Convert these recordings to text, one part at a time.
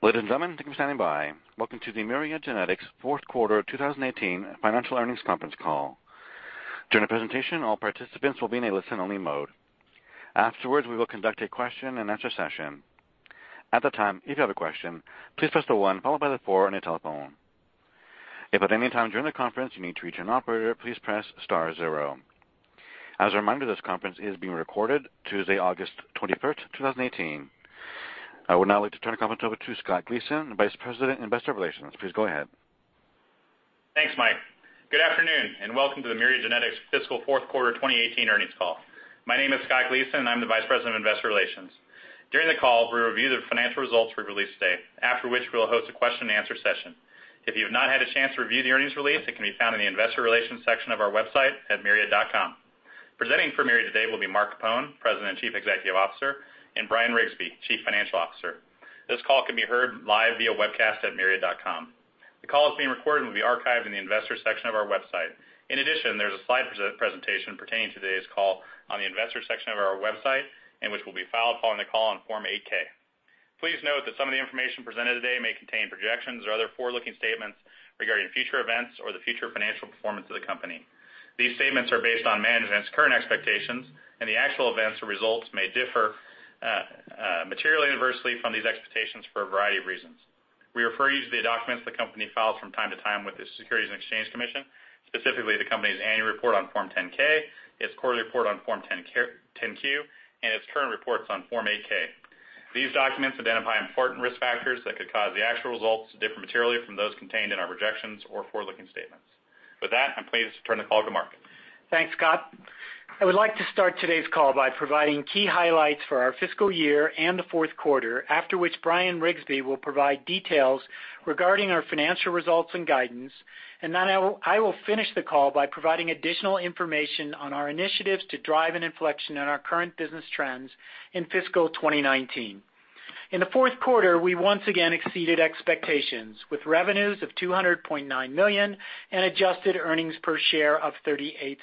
Ladies and gentlemen, thank you for standing by. Welcome to the Myriad Genetics fourth quarter 2018 financial earnings conference call. During the presentation, all participants will be in a listen-only mode. Afterwards, we will conduct a question-and-answer session. At that time, if you have a question, please press the one followed by the four on your telephone. If at any time during the conference you need to reach an operator, please press star 0. As a reminder, this conference is being recorded Tuesday, August 21st, 2018. I would now like to turn the conference over to Scott Gleason, Vice President of Investor Relations. Please go ahead. Thanks, Mike. Good afternoon, and welcome to the Myriad Genetics fiscal fourth quarter 2018 earnings call. My name is Scott Gleason, and I am the Vice President of Investor Relations. During the call, we will review the financial results we released today, after which we will host a question-and-answer session. If you have not had a chance to review the earnings release, it can be found in the investor relations section of our website at myriad.com. Presenting for Myriad today will be Mark Capone, President and Chief Executive Officer, and Bryan Riggsbee, Chief Financial Officer. This call can be heard live via webcast at myriad.com. The call is being recorded and will be archived in the investors section of our website. In addition, there is a slide presentation pertaining to today's call on the investors section of our website, and which will be filed following the call on Form 8-K. Please note that some of the information presented today may contain projections or other forward-looking statements regarding future events or the future financial performance of the company. These statements are based on management's current expectations, and the actual events or results may differ materially and adversely from these expectations for a variety of reasons. We refer you to the documents the company files from time to time with the Securities and Exchange Commission, specifically the company's annual report on Form 10-K, its quarterly report on Form 10-Q, and its current reports on Form 8-K. These documents identify important risk factors that could cause the actual results to differ materially from those contained in our projections or forward-looking statements. With that, I am pleased to turn the call to Mark. Thanks, Scott. I would like to start today's call by providing key highlights for our fiscal year and the fourth quarter, after which Brian Riggsbee will provide details regarding our financial results and guidance. Then I will finish the call by providing additional information on our initiatives to drive an inflection in our current business trends in fiscal 2019. In the fourth quarter, we once again exceeded expectations, with revenues of $200.9 million and adjusted earnings per share of $0.38.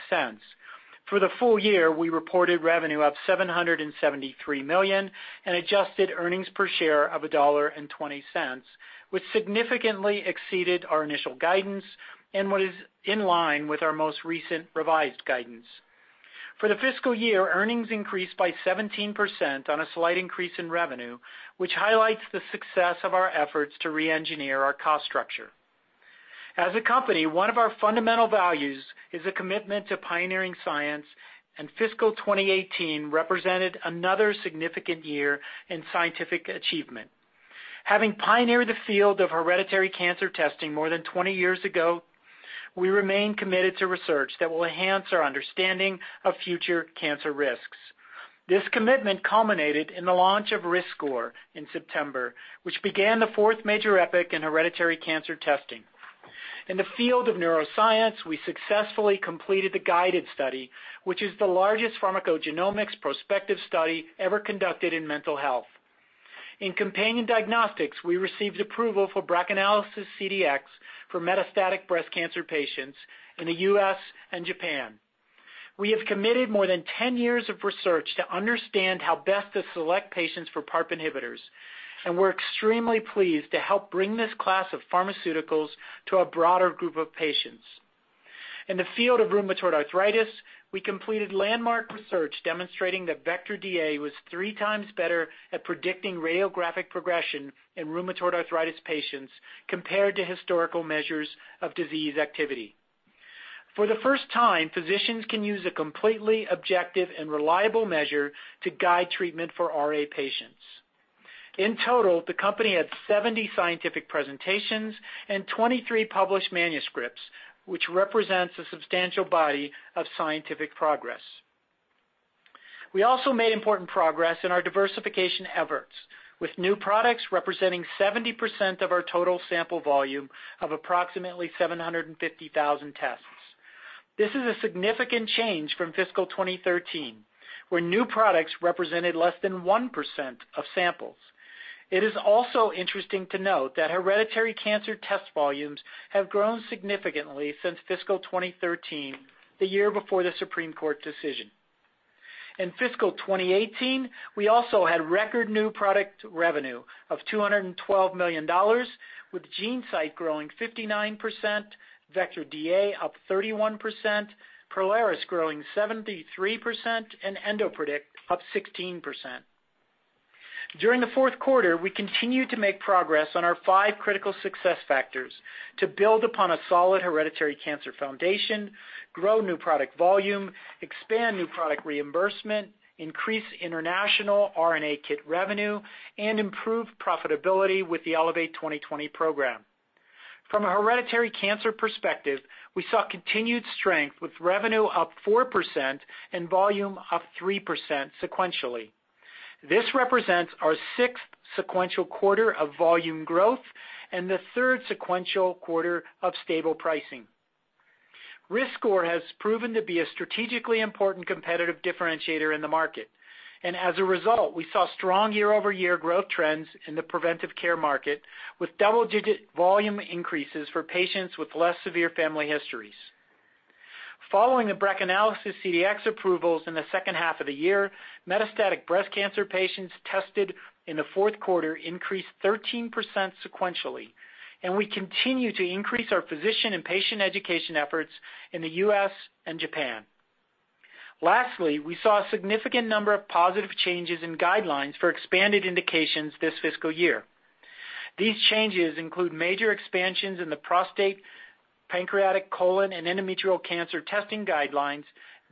For the full year, we reported revenue of $773 million and adjusted earnings per share of $1.20, which significantly exceeded our initial guidance and was in line with our most recent revised guidance. For the fiscal year, earnings increased by 17% on a slight increase in revenue, which highlights the success of our efforts to re-engineer our cost structure. As a company, one of our fundamental values is a commitment to pioneering science, fiscal 2018 represented another significant year in scientific achievement. Having pioneered the field of hereditary cancer testing more than 20 years ago, we remain committed to research that will enhance our understanding of future cancer risks. This commitment culminated in the launch of RiskScore in September, which began the fourth major epoch in hereditary cancer testing. In the field of neuroscience, we successfully completed the GUIDED study, which is the largest pharmacogenomics prospective study ever conducted in mental health. In companion diagnostics, we received approval for BRACAnalysis CDx for metastatic breast cancer patients in the U.S. and Japan. We have committed more than 10 years of research to understand how best to select patients for PARP inhibitors, and we're extremely pleased to help bring this class of pharmaceuticals to a broader group of patients. In the field of rheumatoid arthritis, we completed landmark research demonstrating that Vectra DA was three times better at predicting radiographic progression in rheumatoid arthritis patients compared to historical measures of disease activity. For the first time, physicians can use a completely objective and reliable measure to guide treatment for RA patients. In total, the company had 70 scientific presentations and 23 published manuscripts, which represents a substantial body of scientific progress. We also made important progress in our diversification efforts, with new products representing 70% of our total sample volume of approximately 750,000 tests. This is a significant change from fiscal 2013, where new products represented less than 1% of samples. It is also interesting to note that hereditary cancer test volumes have grown significantly since fiscal 2013, the year before the Supreme Court decision. In fiscal 2018, we also had record new product revenue of $212 million, with GeneSight growing 59%, Vectra DA up 31%, Prolaris growing 73%, and EndoPredict up 16%. During the fourth quarter, we continued to make progress on our five critical success factors to build upon a solid hereditary cancer foundation, grow new product volume, expand new product reimbursement, increase international RNA kit revenue, and improve profitability with the Elevate 2020 program. From a hereditary cancer perspective, we saw continued strength with revenue up 4% and volume up 3% sequentially. This represents our sixth sequential quarter of volume growth and the third sequential quarter of stable pricing. RiskScore has proven to be a strategically important competitive differentiator in the market. As a result, we saw strong year-over-year growth trends in the preventive care market, with double-digit volume increases for patients with less severe family histories. Following the BRACAnalysis CDx approvals in the second half of the year, metastatic breast cancer patients tested in the fourth quarter increased 13% sequentially. We continue to increase our physician and patient education efforts in the U.S. and Japan. Lastly, we saw a significant number of positive changes in guidelines for expanded indications this fiscal year. These changes include major expansions in the prostate, pancreatic, colon, and endometrial cancer testing guidelines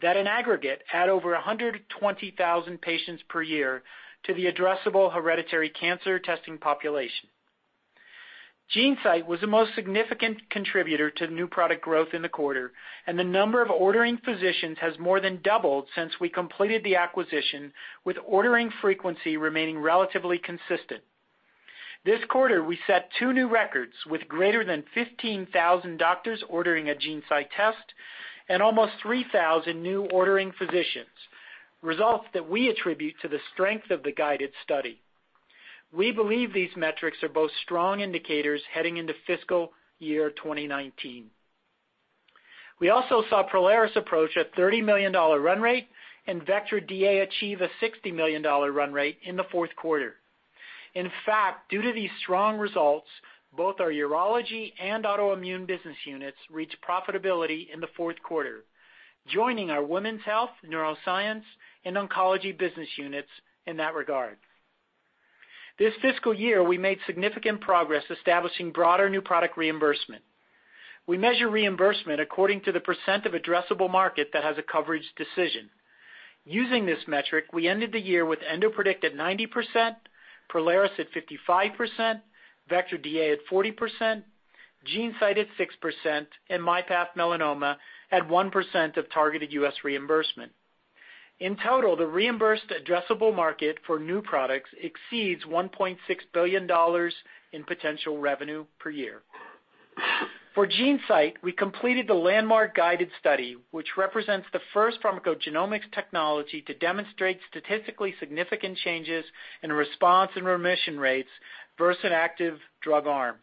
that in aggregate add over 120,000 patients per year to the addressable hereditary cancer testing population. GeneSight was the most significant contributor to new product growth in the quarter, and the number of ordering physicians has more than doubled since we completed the acquisition, with ordering frequency remaining relatively consistent. This quarter, we set two new records, with greater than 15,000 doctors ordering a GeneSight test and almost 3,000 new ordering physicians, results that we attribute to the strength of the GUIDED Study. We believe these metrics are both strong indicators heading into fiscal year 2019. We also saw Prolaris approach a $30 million run rate and Vectra DA achieve a $60 million run rate in the fourth quarter. In fact, due to these strong results, both our urology and autoimmune business units reached profitability in the fourth quarter, joining our Women's Health, Neuroscience, and Oncology business units in that regard. This fiscal year, we made significant progress establishing broader new product reimbursement. We measure reimbursement according to the percent of addressable market that has a coverage decision. Using this metric, we ended the year with EndoPredict at 90%, Prolaris at 55%, Vectra DA at 40%, GeneSight at 6%, and myPath Melanoma at 1% of targeted U.S. reimbursement. In total, the reimbursed addressable market for new products exceeds $1.6 billion in potential revenue per year. For GeneSight, we completed the landmark GUIDED Study, which represents the first pharmacogenomics technology to demonstrate statistically significant changes in response and remission rates versus an active drug arm.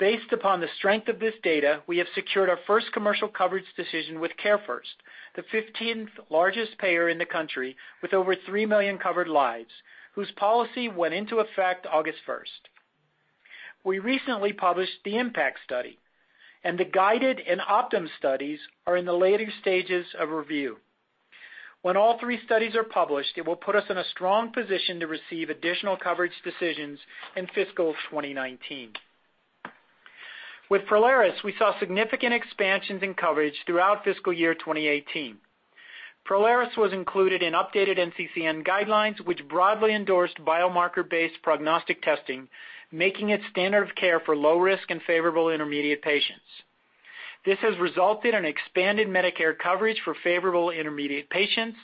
Based upon the strength of this data, we have secured our first commercial coverage decision with CareFirst, the 15th largest payer in the country with over 3 million covered lives, whose policy went into effect August 1st. We recently published the IMPACT Study, and the GUIDED and OPTIMUM studies are in the later stages of review. When all three studies are published, it will put us in a strong position to receive additional coverage decisions in fiscal 2019. With Prolaris, we saw significant expansions in coverage throughout fiscal year 2018. Prolaris was included in updated NCCN guidelines, which broadly endorsed biomarker-based prognostic testing, making it standard of care for low risk and favorable intermediate patients. This has resulted in expanded Medicare coverage for favorable intermediate patients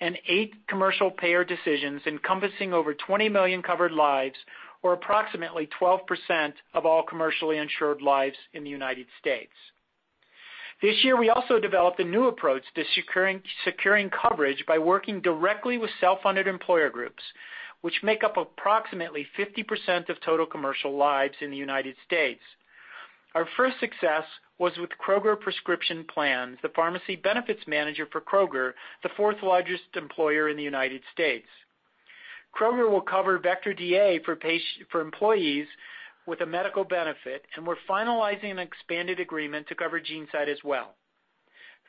and eight commercial payer decisions encompassing over 20 million covered lives or approximately 12% of all commercially insured lives in the U.S. This year, we also developed a new approach to securing coverage by working directly with self-funded employer groups, which make up approximately 50% of total commercial lives in the U.S. Our first success was with Kroger Prescription Plans, the pharmacy benefits manager for Kroger, the fourth largest employer in the U.S. Kroger will cover Vectra DA for employees with a medical benefit, and we're finalizing an expanded agreement to cover GeneSight as well.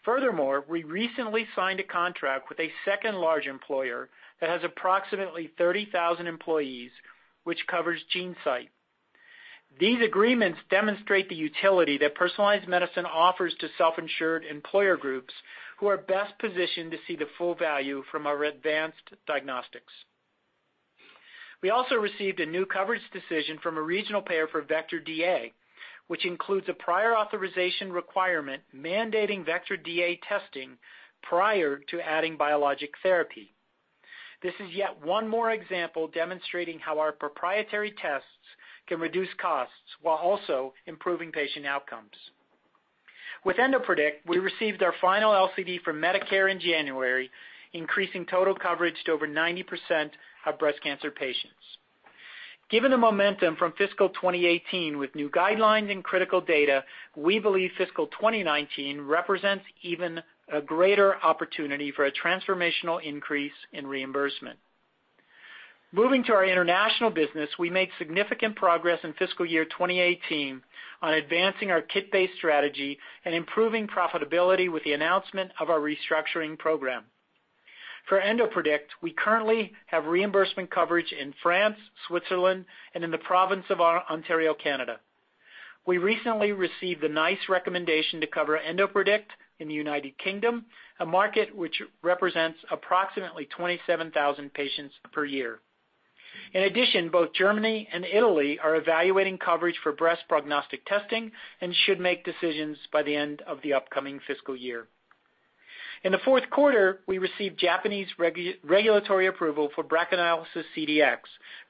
Furthermore, we recently signed a contract with a second large employer that has approximately 30,000 employees, which covers GeneSight. These agreements demonstrate the utility that personalized medicine offers to self-insured employer groups who are best positioned to see the full value from our advanced diagnostics. We also received a new coverage decision from a regional payer for Vectra DA, which includes a prior authorization requirement mandating Vectra DA testing prior to adding biologic therapy. This is yet one more example demonstrating how our proprietary tests can reduce costs while also improving patient outcomes. With EndoPredict, we received our final LCD from Medicare in January, increasing total coverage to over 90% of breast cancer patients. Given the momentum from fiscal 2018 with new guidelines and critical data, we believe fiscal 2019 represents even a greater opportunity for a transformational increase in reimbursement. Moving to our international business, we made significant progress in fiscal year 2018 on advancing our kit-based strategy and improving profitability with the announcement of our restructuring program. For EndoPredict, we currently have reimbursement coverage in France, Switzerland, and in the province of Ontario, Canada. We recently received the NICE recommendation to cover EndoPredict in the United Kingdom, a market which represents approximately 27,000 patients per year. In addition, both Germany and Italy are evaluating coverage for breast prognostic testing and should make decisions by the end of the upcoming fiscal year. In the fourth quarter, we received Japanese regulatory approval for BRACAnalysis CDx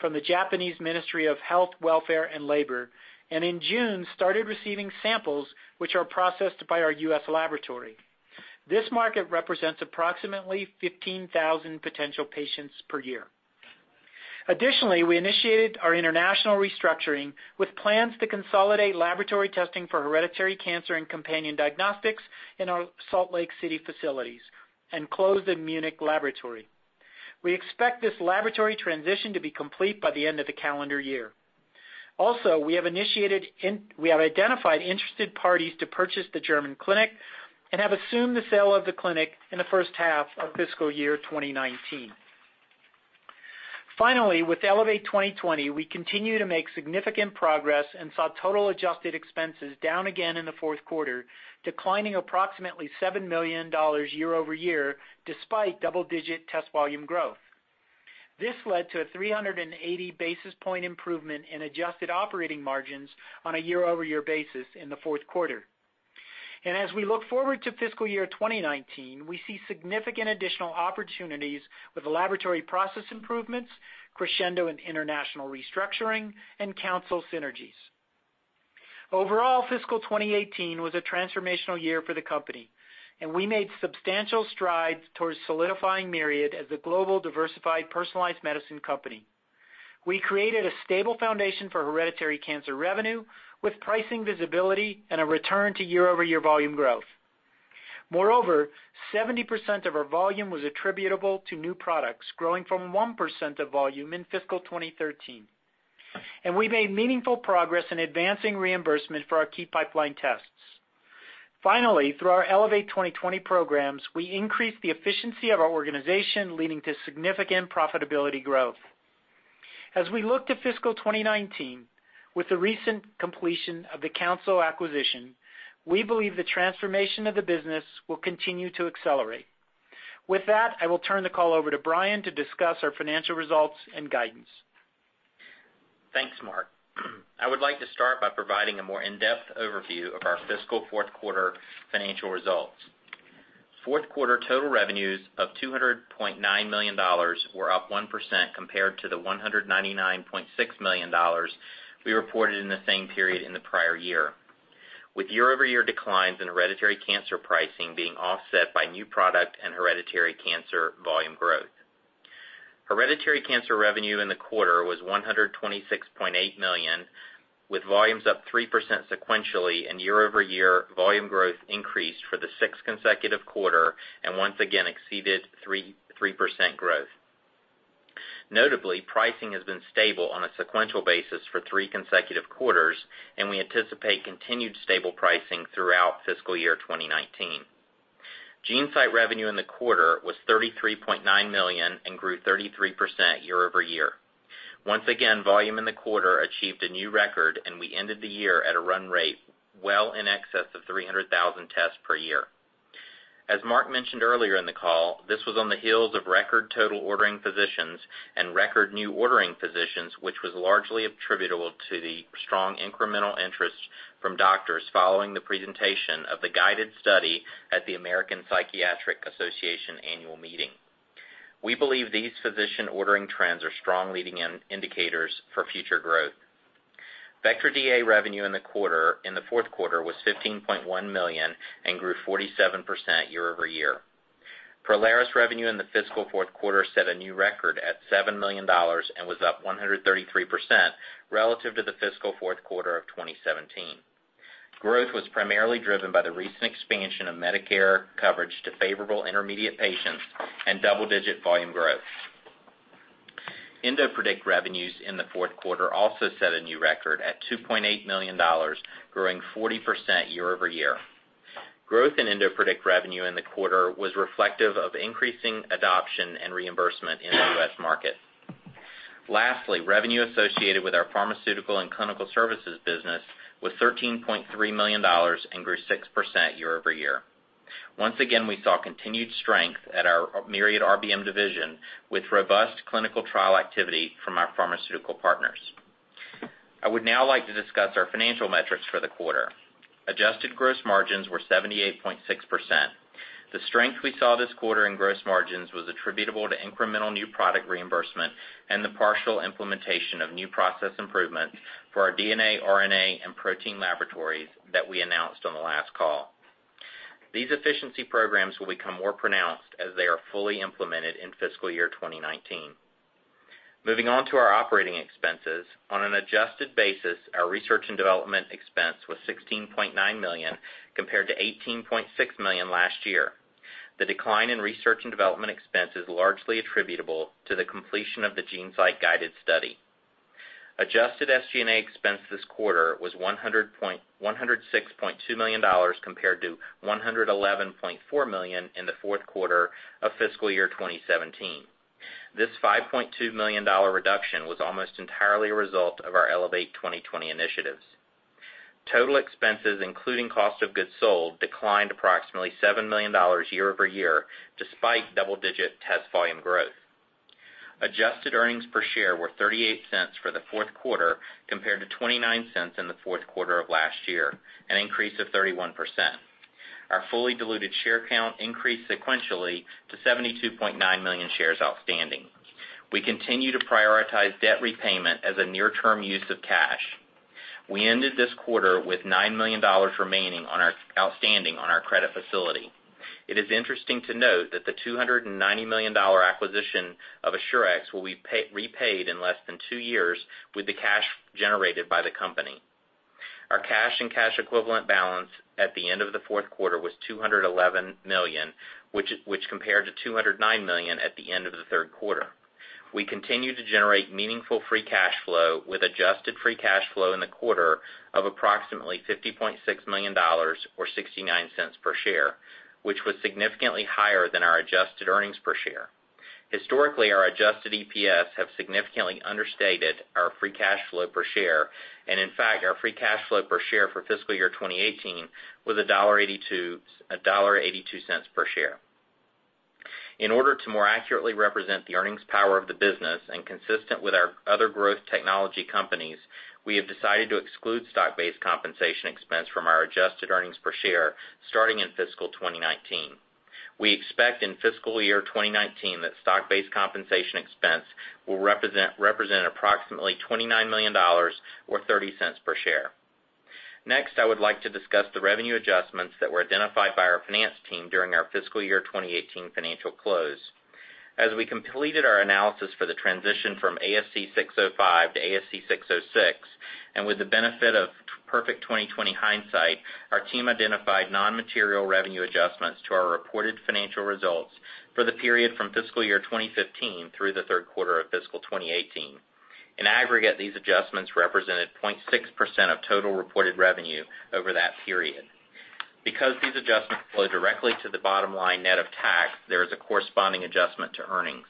from the Japanese Ministry of Health, Labour and Welfare, and in June, started receiving samples which are processed by our U.S. laboratory. This market represents approximately 15,000 potential patients per year. Additionally, we initiated our international restructuring with plans to consolidate laboratory testing for hereditary cancer and companion diagnostics in our Salt Lake City facilities and close the Munich laboratory. We expect this laboratory transition to be complete by the end of the calendar year. Also, we have identified interested parties to purchase the German clinic and have assumed the sale of the clinic in the first half of fiscal year 2019. Finally, with Elevate 2020, we continue to make significant progress and saw total adjusted expenses down again in the fourth quarter, declining approximately $7 million year-over-year, despite double-digit test volume growth. This led to a 380 basis point improvement in adjusted operating margins on a year-over-year basis in the fourth quarter. As we look forward to fiscal year 2019, we see significant additional opportunities with laboratory process improvements, Crescendo and international restructuring, and Counsyl synergies. Overall, fiscal 2018 was a transformational year for the company, and we made substantial strides towards solidifying Myriad as the global diversified personalized medicine company. We created a stable foundation for hereditary cancer revenue with pricing visibility and a return to year-over-year volume growth. Moreover, 70% of our volume was attributable to new products, growing from 1% of volume in fiscal 2013. We made meaningful progress in advancing reimbursement for our key pipeline tests. Finally, through our Elevate 2020 programs, we increased the efficiency of our organization, leading to significant profitability growth. As we look to fiscal 2019 with the recent completion of the Counsyl acquisition, we believe the transformation of the business will continue to accelerate. With that, I will turn the call over to Brian to discuss our financial results and guidance. Thanks, Mark. I would like to start by providing a more in-depth overview of our fiscal fourth quarter financial results. Fourth quarter total revenues of $200.9 million were up 1% compared to the $199.6 million we reported in the same period in the prior year, with year-over-year declines in hereditary cancer pricing being offset by new product and hereditary cancer volume growth. Hereditary cancer revenue in the quarter was $126.8 million, with volumes up 3% sequentially and year-over-year volume growth increased for the sixth consecutive quarter and once again exceeded 3% growth. Notably, pricing has been stable on a sequential basis for three consecutive quarters, and we anticipate continued stable pricing throughout fiscal year 2019. GeneSight revenue in the quarter was $33.9 million and grew 33% year-over-year. Volume in the quarter achieved a new record, and we ended the year at a run rate well in excess of 300,000 tests per year. As Mark mentioned earlier in the call, this was on the heels of record total ordering physicians and record new ordering physicians, which was largely attributable to the strong incremental interest from doctors following the presentation of the GUIDED study at the American Psychiatric Association annual meeting. We believe these physician ordering trends are strong leading indicators for future growth. Vectra DA revenue in the fourth quarter was $15.1 million and grew 47% year-over-year. Prolaris revenue in the fiscal fourth quarter set a new record at $7 million and was up 133% relative to the fiscal fourth quarter of 2017. Growth was primarily driven by the recent expansion of Medicare coverage to favorable intermediate patients and double-digit volume growth. EndoPredict revenues in the fourth quarter also set a new record at $2.8 million, growing 40% year-over-year. Growth in EndoPredict revenue in the quarter was reflective of increasing adoption and reimbursement in the U.S. market. Revenue associated with our pharmaceutical and clinical services business was $13.3 million and grew 6% year-over-year. We saw continued strength at our Myriad RBM division with robust clinical trial activity from our pharmaceutical partners. I would now like to discuss our financial metrics for the quarter. Adjusted gross margins were 78.6%. The strength we saw this quarter in gross margins was attributable to incremental new product reimbursement and the partial implementation of new process improvements for our DNA, RNA, and protein laboratories that we announced on the last call. These efficiency programs will become more pronounced as they are fully implemented in fiscal year 2019. Moving on to our operating expenses. On an adjusted basis, our research and development expense was $16.9 million, compared to $18.6 million last year. The decline in research and development expense is largely attributable to the completion of the GeneSight GUIDED study. Adjusted SG&A expense this quarter was $106.2 million, compared to $111.4 million in the fourth quarter of fiscal year 2017. This $5.2 million reduction was almost entirely a result of our Elevate 2020 initiatives. Total expenses, including cost of goods sold, declined approximately $7 million year-over-year, despite double-digit test volume growth. Adjusted earnings per share were $0.38 for the fourth quarter, compared to $0.29 in the fourth quarter of last year, an increase of 31%. Our fully diluted share count increased sequentially to 72.9 million shares outstanding. We continue to prioritize debt repayment as a near-term use of cash. We ended this quarter with $9 million remaining outstanding on our credit facility. It is interesting to note that the $290 million acquisition of Assurex Health will be repaid in less than two years with the cash generated by the company. Our cash and cash equivalent balance at the end of the fourth quarter was $211 million, which compared to $209 million at the end of the third quarter. We continue to generate meaningful free cash flow with adjusted free cash flow in the quarter of approximately $50.6 million or $0.69 per share, which was significantly higher than our adjusted earnings per share. Historically, our adjusted EPS have significantly understated our free cash flow per share. In fact, our free cash flow per share for fiscal year 2018 was $1.82 per share. In order to more accurately represent the earnings power of the business and consistent with our other growth technology companies, we have decided to exclude stock-based compensation expense from our adjusted earnings per share, starting in fiscal year 2019. We expect in fiscal year 2019 that stock-based compensation expense will represent approximately $29 million or $0.30 per share. Next, I would like to discuss the revenue adjustments that were identified by our finance team during our fiscal year 2018 financial close. As we completed our analysis for the transition from ASC 605 to ASC 606, with the benefit of perfect 2020 hindsight, our team identified non-material revenue adjustments to our reported financial results for the period from fiscal year 2015 through the third quarter of fiscal year 2018. In aggregate, these adjustments represented 0.6% of total reported revenue over that period. Because these adjustments flow directly to the bottom line net of tax, there is a corresponding adjustment to earnings.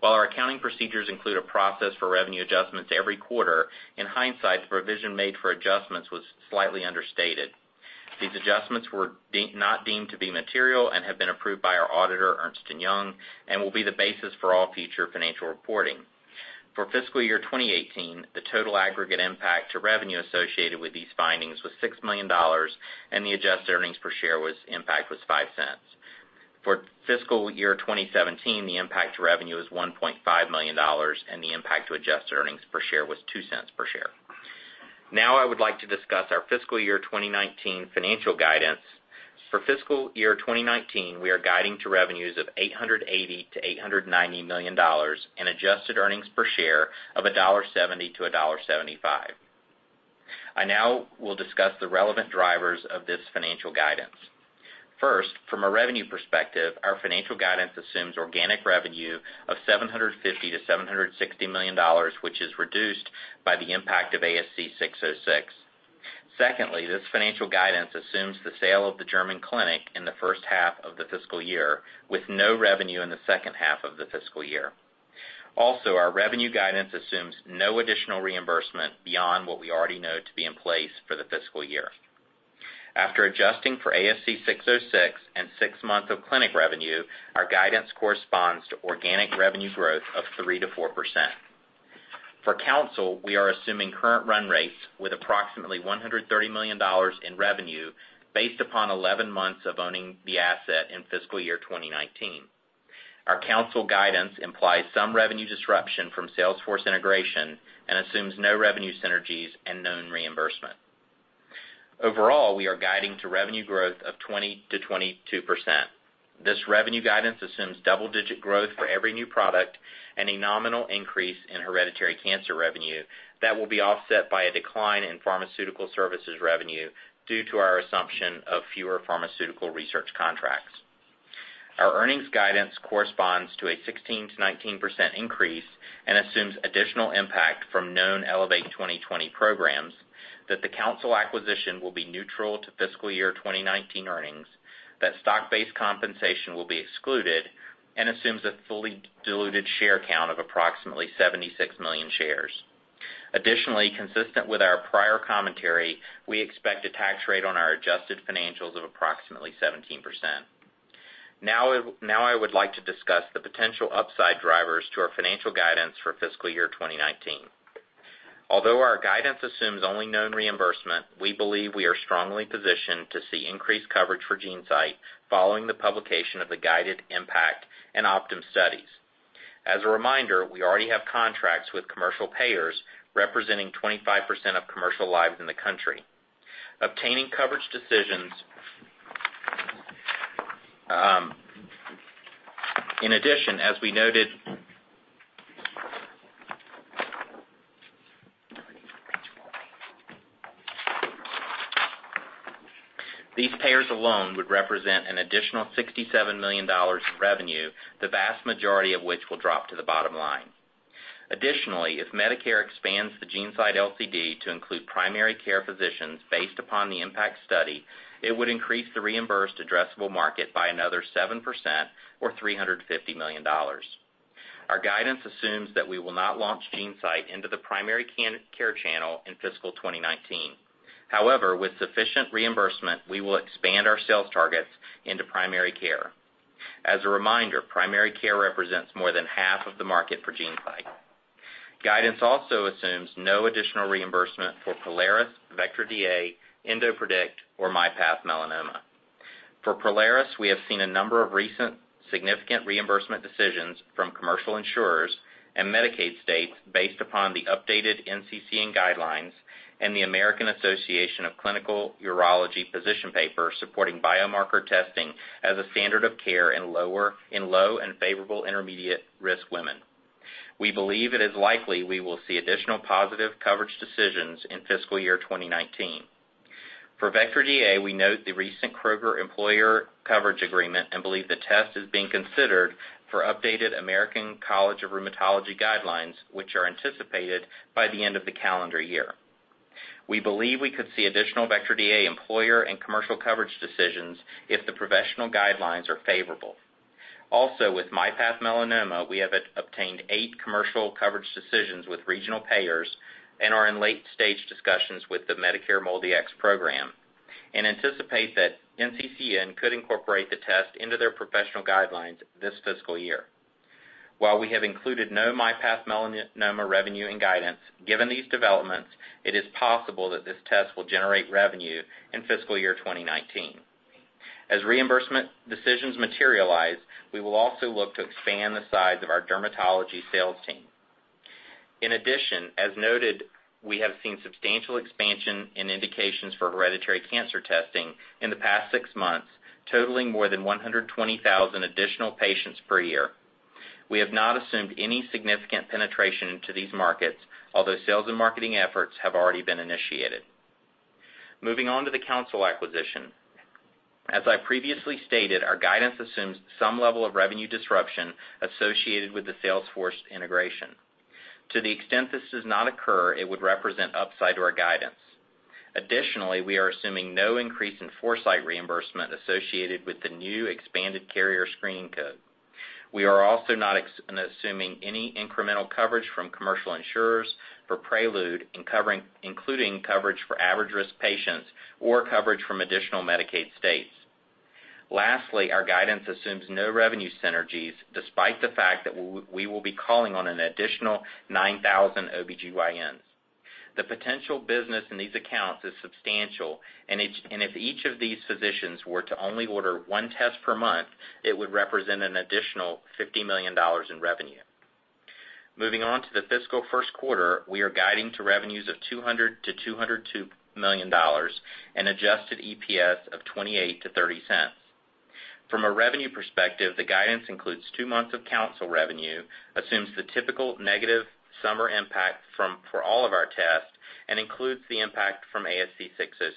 While our accounting procedures include a process for revenue adjustments every quarter, in hindsight, the provision made for adjustments was slightly understated. These adjustments were not deemed to be material and have been approved by our auditor, Ernst & Young, and will be the basis for all future financial reporting. For fiscal year 2018, the total aggregate impact to revenue associated with these findings was $6 million, and the adjusted earnings per share impact was $0.05. For fiscal year 2017, the impact to revenue was $1.5 million, and the impact to adjusted earnings per share was $0.02 per share. Now, I would like to discuss our fiscal year 2019 financial guidance. For fiscal year 2019, we are guiding to revenues of $880 million-$890 million and adjusted earnings per share of $1.70-$1.75. I now will discuss the relevant drivers of this financial guidance. First, from a revenue perspective, our financial guidance assumes organic revenue of $750 million-$760 million, which is reduced by the impact of ASC 606. Secondly, this financial guidance assumes the sale of the German clinic in the first half of the fiscal year, with no revenue in the second half of the fiscal year. Also, our revenue guidance assumes no additional reimbursement beyond what we already know to be in place for the fiscal year. After adjusting for ASC 606 and six months of clinic revenue, our guidance corresponds to organic revenue growth of 3%-4%. For Counsyl, we are assuming current run rates with approximately $130 million in revenue based upon 11 months of owning the asset in fiscal year 2019. Our Counsyl guidance implies some revenue disruption from sales force integration and assumes no revenue synergies and known reimbursement. Overall, we are guiding to revenue growth of 20%-22%. This revenue guidance assumes double-digit growth for every new product and a nominal increase in hereditary cancer revenue that will be offset by a decline in pharmaceutical services revenue due to our assumption of fewer pharmaceutical research contracts. Our earnings guidance corresponds to a 16%-19% increase and assumes additional impact from known Elevate 2020 programs, that the Counsyl acquisition will be neutral to fiscal year 2019 earnings, that stock-based compensation will be excluded, and assumes a fully diluted share count of approximately 76 million shares. Additionally, consistent with our prior commentary, we expect a tax rate on our adjusted financials of approximately 17%. I would like to discuss the potential upside drivers to our financial guidance for fiscal year 2019. Although our guidance assumes only known reimbursement, we believe we are strongly positioned to see increased coverage for GeneSight following the publication of the GUIDED IMPACT and OPTIMUM studies. As a reminder, we already have contracts with commercial payers representing 25% of commercial lives in the country. These payers alone would represent an additional $67 million in revenue, the vast majority of which will drop to the bottom line. Additionally, if Medicare expands the GeneSight LCD to include primary care physicians based upon the IMPACT study, it would increase the reimbursed addressable market by another 7% or $350 million. Our guidance assumes that we will not launch GeneSight into the primary care channel in fiscal year 2019. With sufficient reimbursement, we will expand our sales targets into primary care. As a reminder, primary care represents more than half of the market for GeneSight. Guidance also assumes no additional reimbursement for Prolaris, Vectra DA, EndoPredict or myPath Melanoma. For Prolaris, we have seen a number of recent significant reimbursement decisions from commercial insurers and Medicaid states based upon the updated NCCN guidelines and the American Association of Clinical Urology position paper supporting biomarker testing as a standard of care in low and favorable intermediate-risk men. We believe it is likely we will see additional positive coverage decisions in fiscal year 2019. For Vectra DA, we note the recent Kroger employer coverage agreement and believe the test is being considered for updated American College of Rheumatology guidelines, which are anticipated by the end of the calendar year. We believe we could see additional Vectra DA employer and commercial coverage decisions if the professional guidelines are favorable. With myPath Melanoma, we have obtained eight commercial coverage decisions with regional payers and are in late-stage discussions with the Medicare MolDX program and anticipate that NCCN could incorporate the test into their professional guidelines this fiscal year. While we have included no myPath Melanoma revenue and guidance, given these developments, it is possible that this test will generate revenue in fiscal year 2019. As reimbursement decisions materialize, we will also look to expand the size of our dermatology sales team. In addition, as noted, we have seen substantial expansion in indications for hereditary cancer testing in the past six months, totaling more than 120,000 additional patients per year. We have not assumed any significant penetration into these markets, although sales and marketing efforts have already been initiated. Moving on to the Counsyl acquisition. As I previously stated, our guidance assumes some level of revenue disruption associated with the sales force integration. To the extent this does not occur, it would represent upside to our guidance. Additionally, we are assuming no increase in Foresight reimbursement associated with the new expanded carrier screening code. We are also not assuming any incremental coverage from commercial insurers for Prequel, including coverage for average-risk patients or coverage from additional Medicaid states. Lastly, our guidance assumes no revenue synergies, despite the fact that we will be calling on an additional 9,000 OB-GYNs. If each of these physicians were to only order one test per month, it would represent an additional $50 million in revenue. Moving on to the fiscal first quarter, we are guiding to revenues of $200 million-$202 million, an adjusted EPS of $0.28-$0.30. From a revenue perspective, the guidance includes two months of Counsyl revenue, assumes the typical negative summer impact for all of our tests, and includes the impact from ASC 606.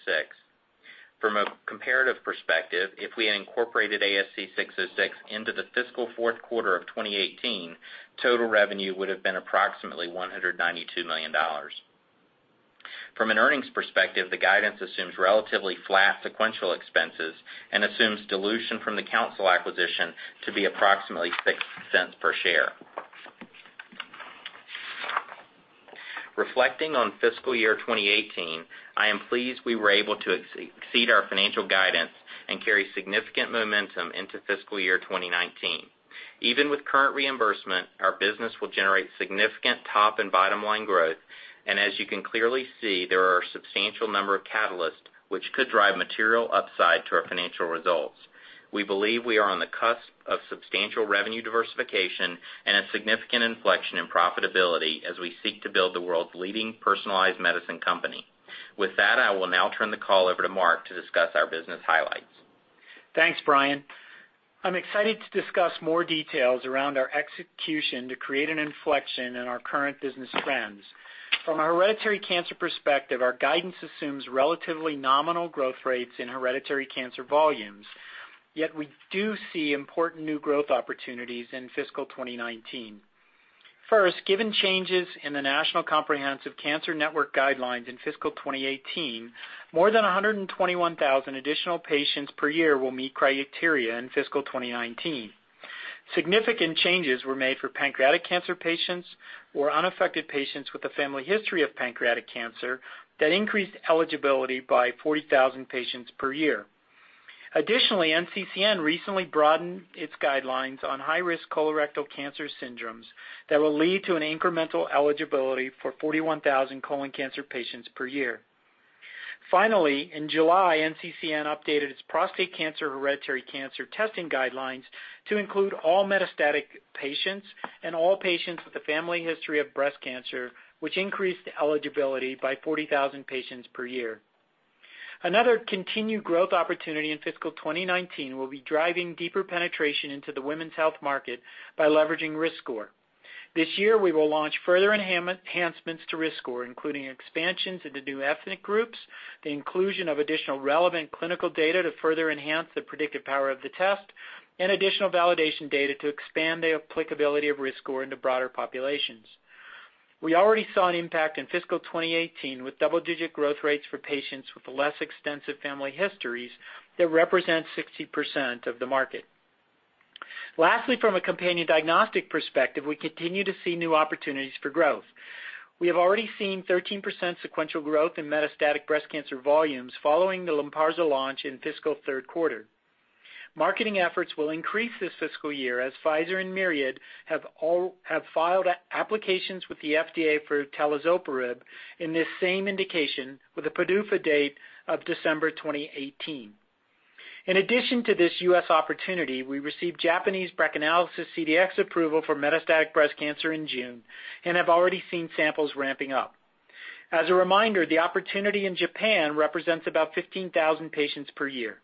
From a comparative perspective, if we had incorporated ASC 606 into the fiscal fourth quarter of 2018, total revenue would have been approximately $192 million. From an earnings perspective, the guidance assumes relatively flat sequential expenses and assumes dilution from the Counsyl acquisition to be approximately $0.06 per share. Reflecting on fiscal year 2018, I am pleased we were able to exceed our financial guidance and carry significant momentum into fiscal year 2019. Even with current reimbursement, our business will generate significant top and bottom-line growth. As you can clearly see, there are a substantial number of catalysts which could drive material upside to our financial results. We believe we are on the cusp of substantial revenue diversification and a significant inflection in profitability as we seek to build the world's leading personalized medicine company. With that, I will now turn the call over to Mark to discuss our business highlights. Thanks, Brian. I'm excited to discuss more details around our execution to create an inflection in our current business trends. From a hereditary cancer perspective, our guidance assumes relatively nominal growth rates in hereditary cancer volumes. Yet we do see important new growth opportunities in fiscal 2019. First, given changes in the National Comprehensive Cancer Network guidelines in fiscal 2018, more than 121,000 additional patients per year will meet criteria in fiscal 2019. Significant changes were made for pancreatic cancer patients or unaffected patients with a family history of pancreatic cancer that increased eligibility by 40,000 patients per year. Additionally, NCCN recently broadened its guidelines on high-risk colorectal cancer syndromes that will lead to an incremental eligibility for 41,000 colon cancer patients per year. In July, NCCN updated its prostate cancer hereditary cancer testing guidelines to include all metastatic patients and all patients with a family history of breast cancer, which increased eligibility by 40,000 patients per year. Another continued growth opportunity in fiscal 2019 will be driving deeper penetration into the women's health market by leveraging RiskScore. This year, we will launch further enhancements to RiskScore, including expansions into new ethnic groups, the inclusion of additional relevant clinical data to further enhance the predictive power of the test, and additional validation data to expand the applicability of RiskScore into broader populations. We already saw an impact in fiscal 2018 with double-digit growth rates for patients with less extensive family histories that represent 60% of the market. From a companion diagnostic perspective, we continue to see new opportunities for growth. We have already seen 13% sequential growth in metastatic breast cancer volumes following the Lynparza launch in fiscal third quarter. Marketing efforts will increase this fiscal year as Pfizer and Myriad have filed applications with the FDA for talazoparib in this same indication with a PDUFA date of December 2018. In addition to this U.S. opportunity, we received Japanese BRACAnalysis CDx approval for metastatic breast cancer in June and have already seen samples ramping up. As a reminder, the opportunity in Japan represents about 15,000 patients per year.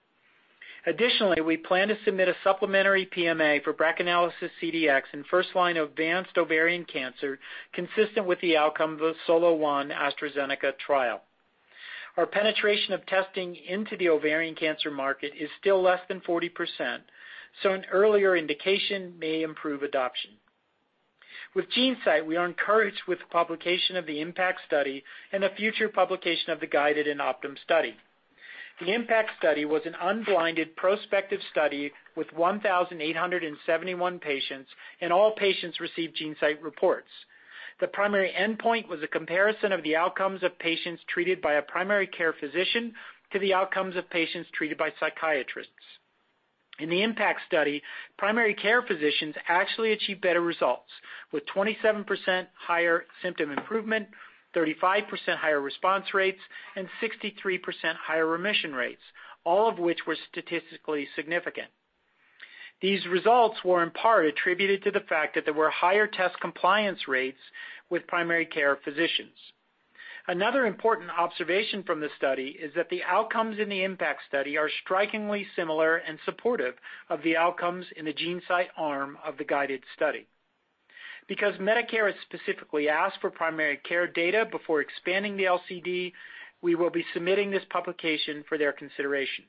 We plan to submit a supplementary PMA for BRACAnalysis CDx in first-line advanced ovarian cancer, consistent with the outcome of the SOLO-1 AstraZeneca trial. Our penetration of testing into the ovarian cancer market is still less than 40%, so an earlier indication may improve adoption. With GeneSight, we are encouraged with the publication of the IMPACT study and the future publication of the GUIDED and OPTIMUM study. The IMPACT study was an unblinded prospective study with 1,871 patients, and all patients received GeneSight reports. The primary endpoint was a comparison of the outcomes of patients treated by a primary care physician to the outcomes of patients treated by psychiatrists. In the IMPACT study, primary care physicians actually achieved better results, with 27% higher symptom improvement, 35% higher response rates, and 63% higher remission rates, all of which were statistically significant. These results were in part attributed to the fact that there were higher test compliance rates with primary care physicians. Another important observation from the study is that the outcomes in the IMPACT study are strikingly similar and supportive of the outcomes in the GeneSight arm of the GUIDED study. Medicare has specifically asked for primary care data before expanding the LCD, we will be submitting this publication for their consideration.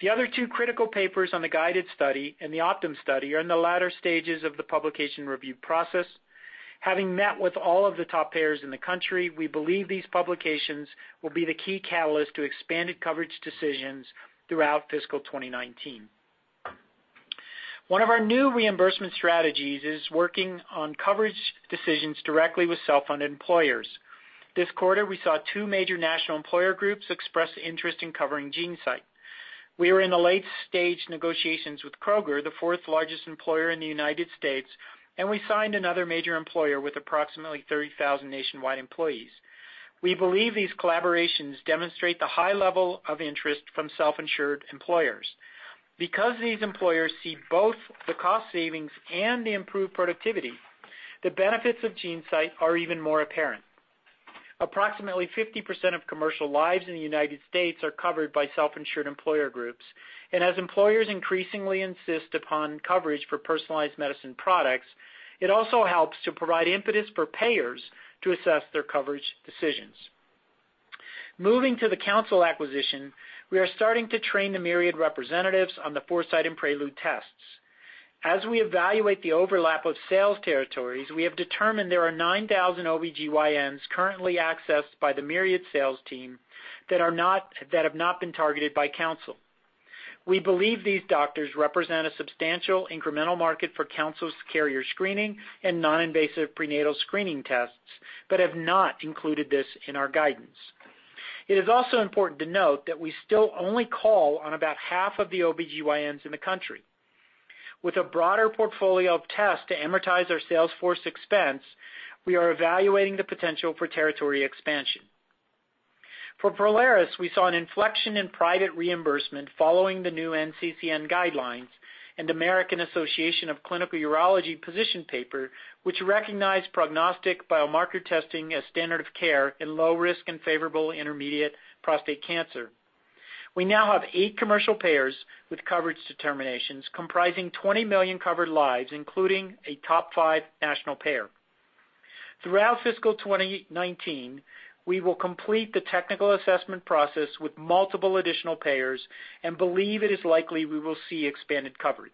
The other two critical papers on the GUIDED study and the OPTIMUM study are in the latter stages of the publication review process. Having met with all of the top payers in the country, we believe these publications will be the key catalyst to expanded coverage decisions throughout fiscal 2019. One of our new reimbursement strategies is working on coverage decisions directly with self-funded employers. This quarter, we saw two major national employer groups express interest in covering GeneSight. We are in the late-stage negotiations with Kroger, the fourth-largest employer in the U.S., and we signed another major employer with approximately 30,000 nationwide employees. We believe these collaborations demonstrate the high level of interest from self-insured employers. Because these employers see both the cost savings and the improved productivity, the benefits of GeneSight are even more apparent. Approximately 50% of commercial lives in the United States are covered by self-insured employer groups. As employers increasingly insist upon coverage for personalized medicine products, it also helps to provide impetus for payers to assess their coverage decisions. Moving to the Counsyl acquisition, we are starting to train the Myriad representatives on the Foresight and Prequel tests. As we evaluate the overlap of sales territories, we have determined there are 9,000 OB-GYNs currently accessed by the Myriad sales team that have not been targeted by Counsyl. We believe these doctors represent a substantial incremental market for Counsyl's carrier screening and non-invasive prenatal screening tests, but have not included this in our guidance. It is also important to note that we still only call on about half of the OB-GYNs in the country. With a broader portfolio of tests to amortize our sales force expense, we are evaluating the potential for territory expansion. For Prolaris, we saw an inflection in private reimbursement following the new NCCN guidelines and American Association of Clinical Urology position paper, which recognized prognostic biomarker testing as standard of care in low risk and favorable intermediate prostate cancer. We now have eight commercial payers with coverage determinations comprising 20 million covered lives, including a top five national payer. Throughout fiscal 2019, we will complete the technical assessment process with multiple additional payers and believe it is likely we will see expanded coverage.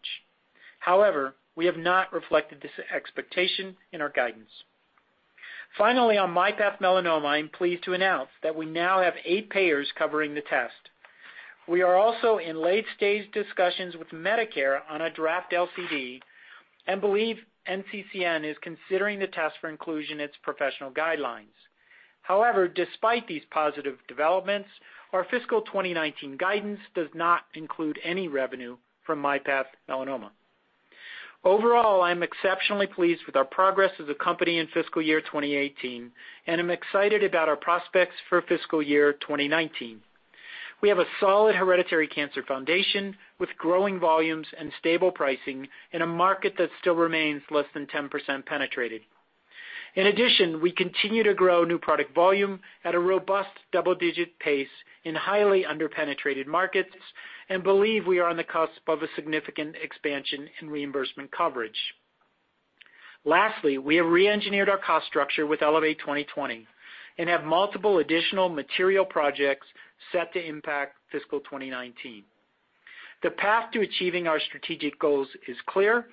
We have not reflected this expectation in our guidance. Finally, on myPath Melanoma, I am pleased to announce that we now have eight payers covering the test. We are also in late-stage discussions with Medicare on a draft LCD and believe NCCN is considering the test for inclusion in its professional guidelines. Despite these positive developments, our fiscal 2019 guidance does not include any revenue from myPath Melanoma. Overall, I am exceptionally pleased with our progress as a company in fiscal year 2018, and I am excited about our prospects for fiscal year 2019. We have a solid hereditary cancer foundation with growing volumes and stable pricing in a market that still remains less than 10% penetrated. In addition, we continue to grow new product volume at a robust double-digit pace in highly under-penetrated markets and believe we are on the cusp of a significant expansion in reimbursement coverage. Lastly, we have re-engineered our cost structure with Elevate 2020 and have multiple additional material projects set to impact fiscal 2019. The path to achieving our strategic goals is clear.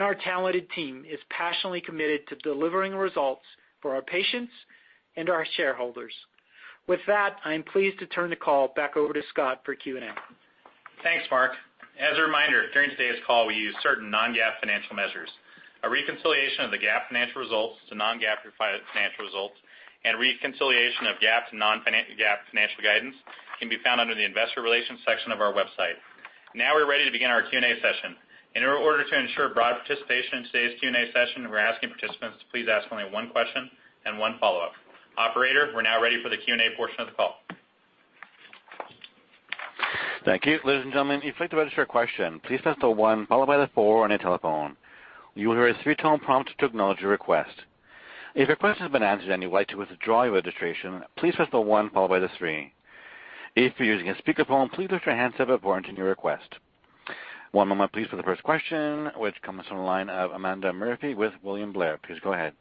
Our talented team is passionately committed to delivering results for our patients and our shareholders. With that, I am pleased to turn the call back over to Scott for Q&A. Thanks, Mark. As a reminder, during today's call, we use certain non-GAAP financial measures. A reconciliation of the GAAP financial results to non-GAAP financial results and reconciliation of GAAP to non-GAAP financial guidance can be found under the investor relations section of our website. Now we're ready to begin our Q&A session. In order to ensure broad participation in today's Q&A session, we're asking participants to please ask only one question and one follow-up. Operator, we're now ready for the Q&A portion of the call. Thank you. Ladies and gentlemen, if you'd like to register a question, please press the one followed by the four on your telephone. You will hear a three-tone prompt to acknowledge your request. If your question has been answered and you'd like to withdraw your registration, please press the one followed by the three. If you're using a speakerphone, please lift your handset before to your request. One moment please for the first question, which comes from the line of Amanda Murphy with William Blair. Please go ahead.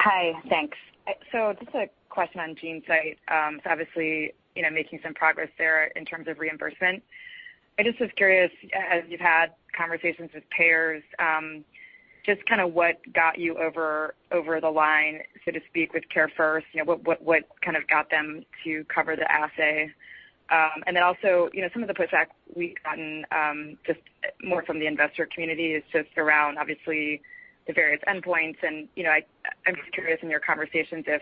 Hi. Thanks. Just a question on GeneSight. Obviously, making some progress there in terms of reimbursement. I just was curious, as you've had conversations with payers, just what got you over the line, so to speak, with CareFirst? What kind of got them to cover the assay? Also, some of the pushback we've gotten, just more from the investor community is just around, obviously, the various endpoints and I'm just curious in your conversations, if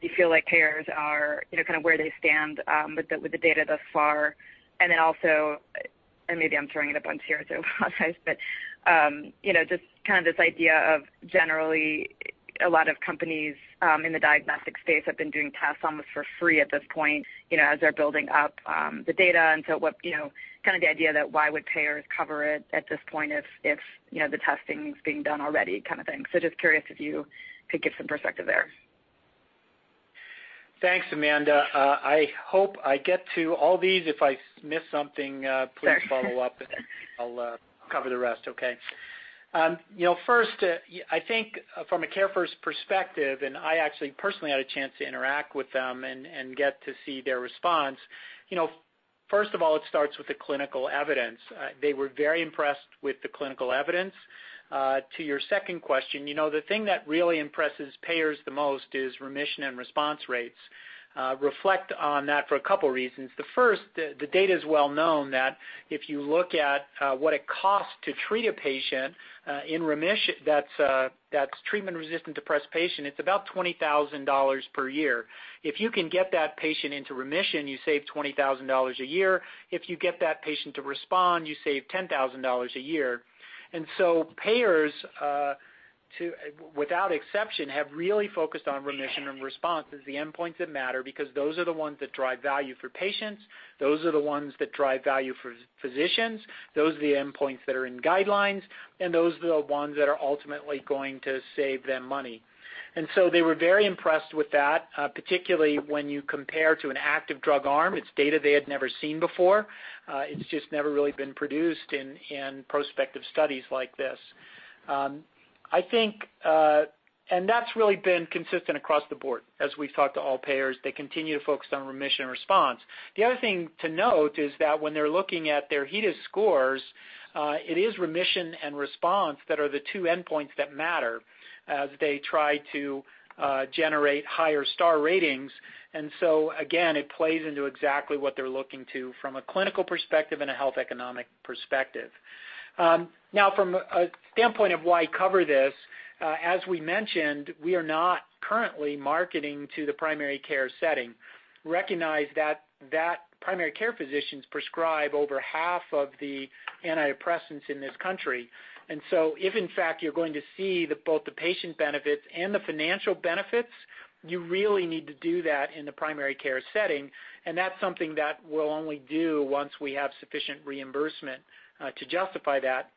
you feel like payers are, kind of where they stand with the data thus far. Also, and maybe I'm throwing it up on you, just this idea of generally, a lot of companies in the diagnostic space have been doing tests almost for free at this point, as they're building up the data. What, kind of the idea that why would payers cover it at this point if the testing's being done already kind of thing. Just curious if you could give some perspective there. Thanks, Amanda. I hope I get to all these. If I miss something, please follow up and I'll cover the rest. Sure First, I think from a CareFirst perspective, I actually personally had a chance to interact with them and get to see their response. First of all, it starts with the clinical evidence. They were very impressed with the clinical evidence. To your second question, the thing that really impresses payers the most is remission and response rates. Reflect on that for a couple of reasons. First, the data's well known that if you look at what it costs to treat a patient that's treatment-resistant depressed patient, it's about $20,000 per year. If you can get that patient into remission, you save $20,000 a year. If you get that patient to respond, you save $10,000 a year. Payers, without exception, have really focused on remission and response as the endpoints that matter because those are the ones that drive value for patients. Those are the ones that drive value for physicians. Those are the endpoints that are in guidelines, and those are the ones that are ultimately going to save them money. They were very impressed with that, particularly when you compare to an active drug arm. It's data they had never seen before. It's just never really been produced in prospective studies like this. That's really been consistent across the board as we've talked to all payers. They continue to focus on remission and response. The other thing to note is that when they're looking at their HEDIS scores, it is remission and response that are the two endpoints that matter as they try to generate higher star ratings. Again, it plays into exactly what they're looking to from a clinical perspective and a health economic perspective. From a standpoint of why cover this, as we mentioned, we are not currently marketing to the primary care setting. Recognize that primary care physicians prescribe over half of the antidepressants in this country. If in fact you're going to see both the patient benefits and the financial benefits, you really need to do that in the primary care setting, and that's something that we'll only do once we have sufficient reimbursement to justify that.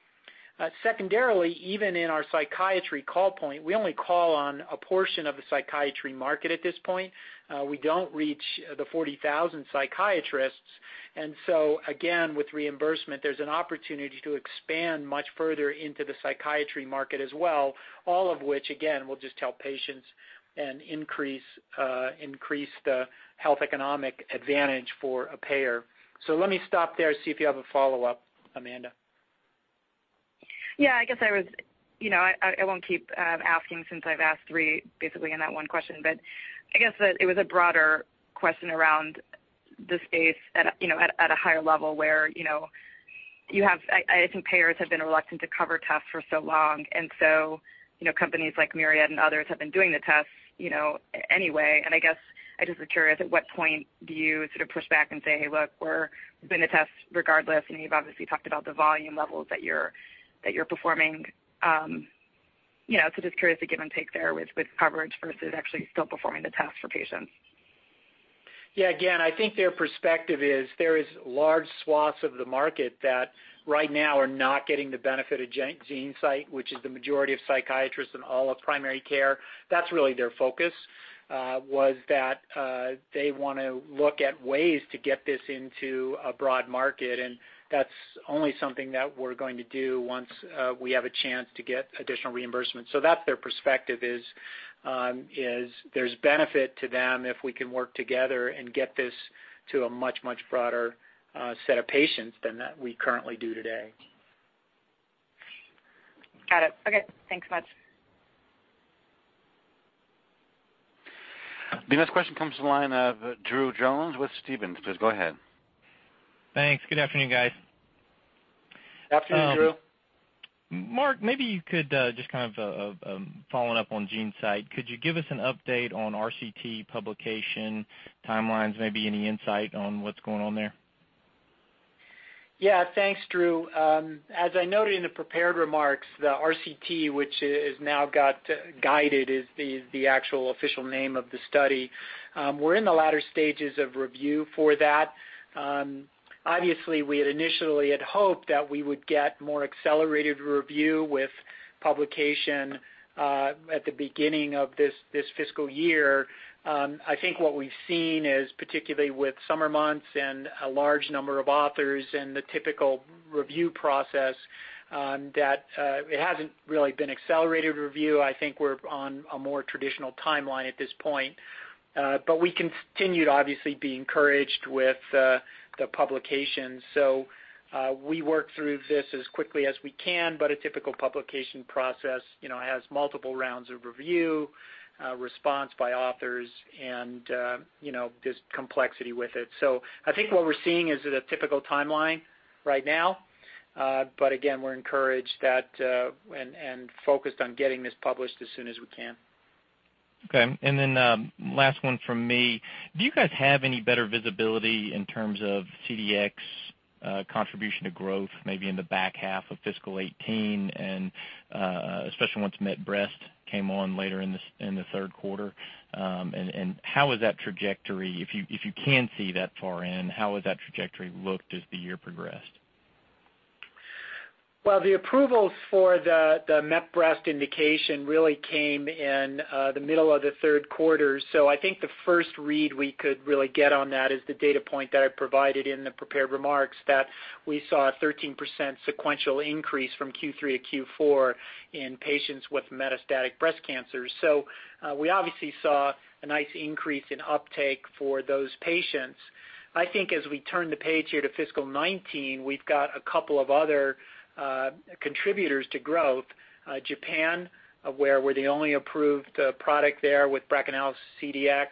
Secondarily, even in our psychiatry call point, we only call on a portion of the psychiatry market at this point. We don't reach the 40,000 psychiatrists. Again, with reimbursement, there's an opportunity to expand much further into the psychiatry market as well, all of which again, will just help patients and increase the health economic advantage for a payer. Let me stop there, see if you have a follow-up, Amanda. Yeah, I guess I won't keep asking since I've asked three, basically in that one question, but I guess that it was a broader question around the space at a higher level where I think payers have been reluctant to cover tests for so long. Companies like Myriad and others have been doing the tests anyway, and I guess I just was curious, at what point do you sort of push back and say, "Hey, look, we're doing the tests regardless." You've obviously talked about the volume levels that you're performing. Just curious the give and take there with coverage versus actually still performing the tests for patients. Yeah. Again, I think their perspective is there is large swaths of the market that right now are not getting the benefit of GeneSight, which is the majority of psychiatrists in all of primary care. That's really their focus, was that they want to look at ways to get this into a broad market. That's only something that we're going to do once we have a chance to get additional reimbursement. That's their perspective, is there's benefit to them if we can work together and get this to a much, much broader set of patients than we currently do today. Got it. Okay. Thanks much. The next question comes to the line of Drew Jones with Stephens. Please go ahead. Thanks. Good afternoon, guys. Afternoon, Drew. Mark, maybe you could, just kind of following up on GeneSight, could you give us an update on RCT publication timelines, maybe any insight on what's going on there? Thanks, Drew. As I noted in the prepared remarks, the RCT, which has now got GUIDED as the actual official name of the study, we're in the latter stages of review for that. Obviously, we had initially had hoped that we would get more accelerated review with publication at the beginning of this fiscal year. I think what we've seen is, particularly with summer months and a large number of authors in the typical review process, that it hasn't really been accelerated review. I think we're on a more traditional timeline at this point. We continue to obviously be encouraged with the publication. We work through this as quickly as we can, but a typical publication process has multiple rounds of review, response by authors, and there's complexity with it. I think what we're seeing is at a typical timeline right now. Again, we're encouraged that and focused on getting this published as soon as we can. Okay. Then last one from me. Do you guys have any better visibility in terms of CDx contribution to growth, maybe in the back half of fiscal 2018, especially once MetBRCA came on later in the third quarter? How is that trajectory, if you can see that far in, how has that trajectory looked as the year progressed? Well, the approvals for the MetBRCA indication really came in the middle of the third quarter. I think the first read we could really get on that is the data point that I provided in the prepared remarks, that we saw a 13% sequential increase from Q3 to Q4 in patients with metastatic breast cancer. We obviously saw a nice increase in uptake for those patients. I think as we turn the page here to fiscal 2019, we've got a couple of other contributors to growth. Japan, where we're the only approved product there with BRACAnalysis CDx.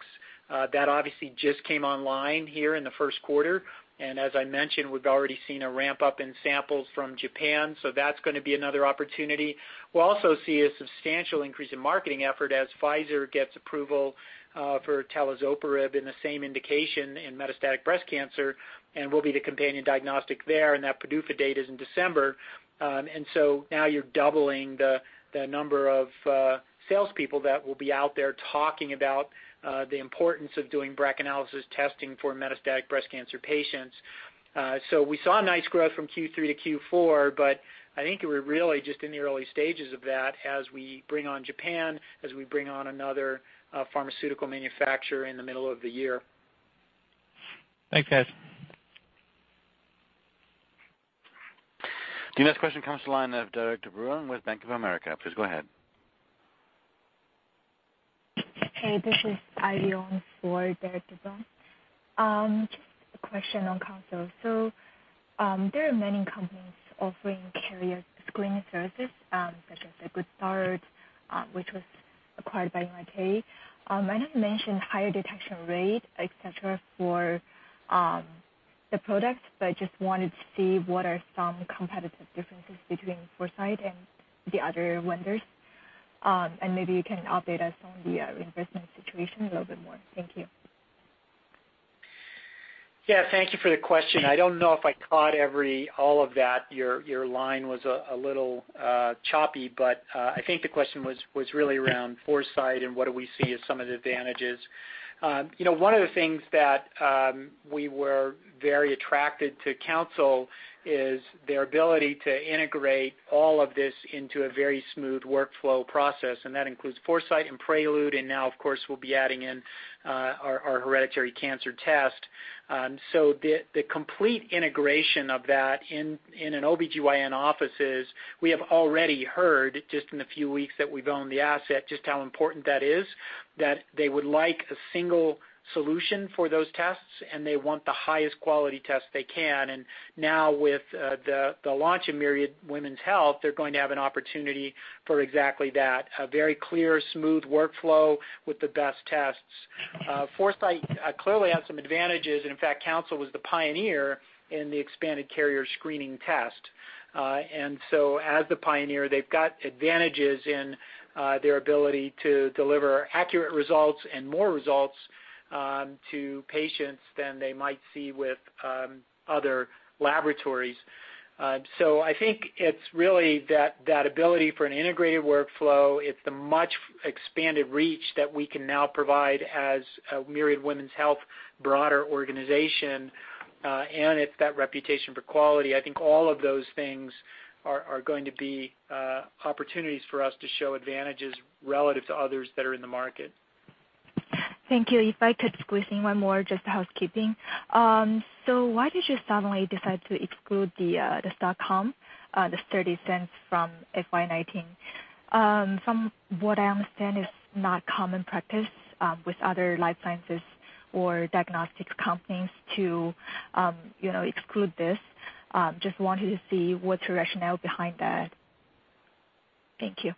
That obviously just came online here in the first quarter. As I mentioned, we've already seen a ramp-up in samples from Japan, that's going to be another opportunity. We'll also see a substantial increase in marketing effort as Pfizer gets approval for talazoparib in the same indication in metastatic breast cancer and we'll be the companion diagnostic there, and that PDUFA date is in December. Now you're doubling the number of salespeople that will be out there talking about the importance of doing BRCA analysis testing for metastatic breast cancer patients. We saw nice growth from Q3 to Q4, but I think we're really just in the early stages of that as we bring on Japan, as we bring on another pharmaceutical manufacturer in the middle of the year. Thanks, guys. The next question comes to the line of Derik De Bruin with Bank of America. Please go ahead. Hey, this is Ivy On for Derik De Bruin. There are many companies offering carrier screening services, such as Good Start, which was acquired by Invitae. I know you mentioned higher detection rate, et cetera, for the product, but just wanted to see what are some competitive differences between Foresight and the other vendors. Maybe you can update us on the investment situation a little bit more. Thank you. Yeah, thank you for the question. I don't know if I caught all of that. Your line was a little choppy. I think the question was really around Foresight and what do we see as some of the advantages. One of the things that we were very attracted to Counsyl is their ability to integrate all of this into a very smooth workflow process, and that includes Foresight and Prequel, and now, of course, we'll be adding in our hereditary cancer test. The complete integration of that in an OB-GYN offices, we have already heard just in the few weeks that we've owned the asset just how important that is, that they would like a single solution for those tests, and they want the highest quality test they can. Now with the launch of Myriad Women's Health, they're going to have an opportunity for exactly that. A very clear, smooth workflow with the best tests. Foresight clearly has some advantages. In fact, Counsyl was the pioneer in the expanded carrier screening test. As the pioneer, they've got advantages in their ability to deliver accurate results and more results to patients than they might see with other laboratories. I think it's really that ability for an integrated workflow. It's the much expanded reach that we can now provide as a Myriad Women's Health broader organization. It's that reputation for quality. I think all of those things are going to be opportunities for us to show advantages relative to others that are in the market. Thank you. If I could squeeze in one more, just housekeeping. Why did you suddenly decide to exclude the stock comp, the $0.30 from FY 2019? From what I understand, it's not common practice with other life sciences or diagnostics companies to exclude this. Just wanted to see what's your rationale behind that. Thank you.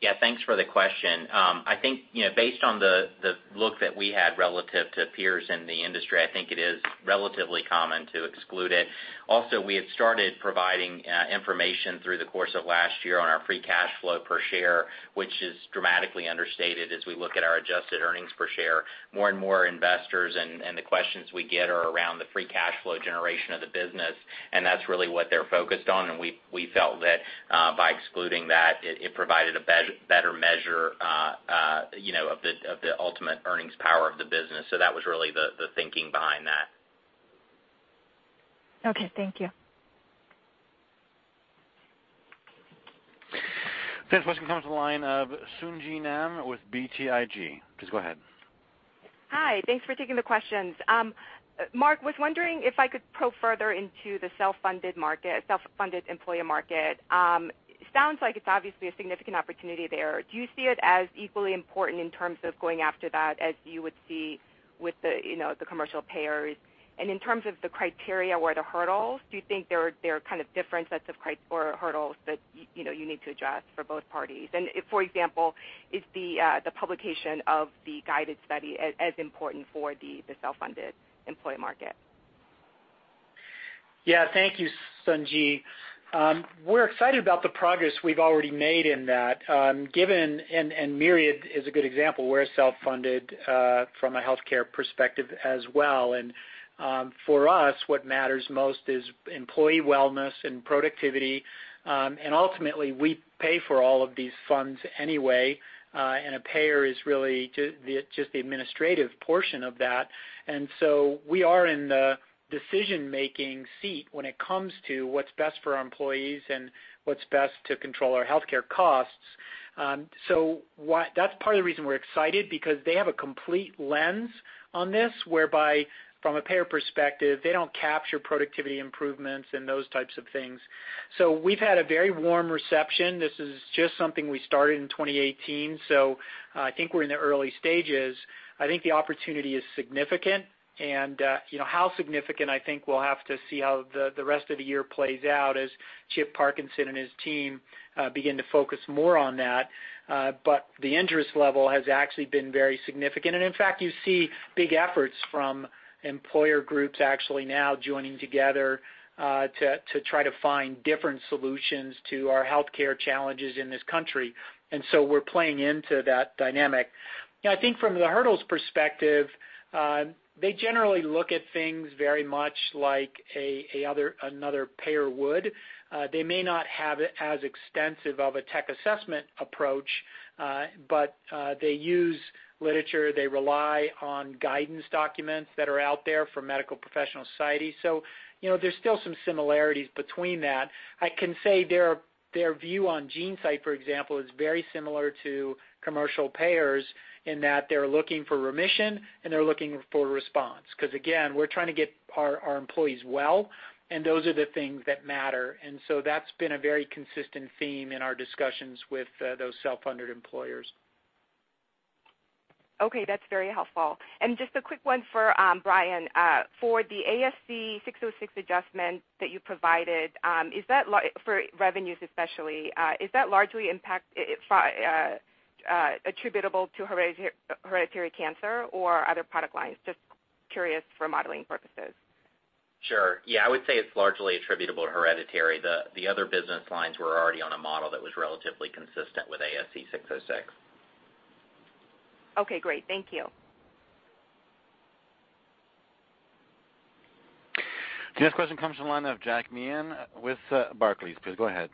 Yeah, thanks for the question. I think based on the look that we had relative to peers in the industry, I think it is relatively common to exclude it. Also, we had started providing information through the course of last year on our free cash flow per share, which is dramatically understated as we look at our adjusted earnings per share. More and more investors and the questions we get are around the free cash flow generation of the business. That's really what they're focused on. We felt that by excluding that, it provided a better measure of the ultimate earnings power of the business. That was really the thinking behind that. Okay, thank you. The next question comes from the line of Sung Ji Nam with BTIG. Please go ahead. Hi. Thanks for taking the questions. Mark, was wondering if I could probe further into the self-funded employer market. Sounds like it's obviously a significant opportunity there. Do you see it as equally important in terms of going after that as you would see with the commercial payers? In terms of the criteria or the hurdles, do you think there are kind of different sets of criteria or hurdles that you need to address for both parties? For example, is the publication of the GUIDED study as important for the self-funded employer market? Yeah. Thank you, Sung Ji. We're excited about the progress we've already made in that. Myriad is a good example. We're self-funded from a healthcare perspective as well. For us, what matters most is employee wellness and productivity. Ultimately, we pay for all of these funds anyway, and a payer is really just the administrative portion of that. We are in the decision-making seat when it comes to what's best for our employees and what's best to control our healthcare costs. That's part of the reason we're excited, because they have a complete lens on this, whereby from a payer perspective, they don't capture productivity improvements and those types of things. We've had a very warm reception. This is just something we started in 2018, so I think we're in the early stages. I think the opportunity is significant, how significant, I think we'll have to see how the rest of the year plays out as Paul Parkinson and his team begin to focus more on that. The interest level has actually been very significant. In fact, you see big efforts from employer groups actually now joining together, to try to find different solutions to our healthcare challenges in this country. We're playing into that dynamic. I think from the hurdles perspective, they generally look at things very much like another payer would. They may not have as extensive of a tech assessment approach, but they use literature, they rely on guidance documents that are out there for medical professional societies. There's still some similarities between that. I can say their view on GeneSight, for example, is very similar to commercial payers in that they're looking for remission, and they're looking for response. Again, we're trying to get our employees well, and those are the things that matter. That's been a very consistent theme in our discussions with those self-funded employers. Okay. That's very helpful. Just a quick one for Bryan. For the ASC 606 adjustment that you provided, for revenues especially, is that largely attributable to hereditary cancer or other product lines? Just curious for modeling purposes. Sure. Yeah, I would say it's largely attributable to hereditary. The other business lines were already on a model that was relatively consistent with ASC 606. Okay, great. Thank you. The next question comes from the line of Jack Meehan with Barclays. Please go ahead.